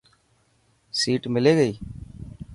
سيٽ ملي گئي؟